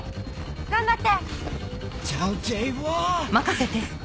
頑張って！